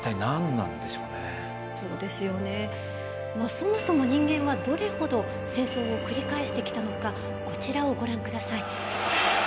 そもそも人間はどれほど戦争を繰り返してきたのかこちらをご覧ください。